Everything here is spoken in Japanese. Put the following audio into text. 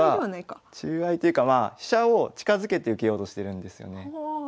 ２五歩は中合いというか飛車を近づけて受けようとしてるんですよね。